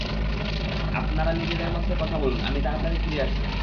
আপনারা নিজেদের মধ্যে কথা বলুন, আমি তারাতাড়ি ফিরে আসবো।